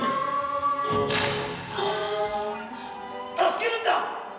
助けるんだ！